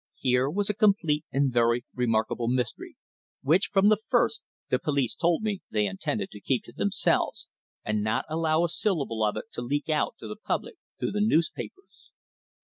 Here was a complete and very remarkable mystery, which, from the first, the police told me they intended to keep to themselves, and not allow a syllable of it to leak out to the public through the newspapers.